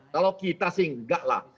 kalau kita sih enggak lah